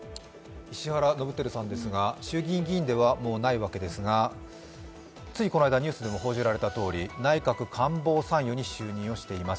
石原伸晃さんですが、衆議院議員ではもうないわけですがついこの間ニュースでも報じられたとおり内閣官房参与に就任しています。